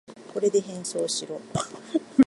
これで変装しろ。